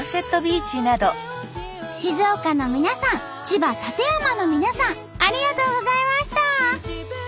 静岡の皆さん千葉館山の皆さんありがとうございました。